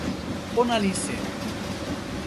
ona li seme?